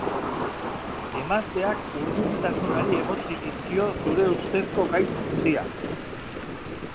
Emazteak urduritasunari egotzi dizkio zure ustezko gaitz guztiak.